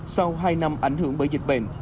sau hai năm ảnh hưởng bởi dịch bệnh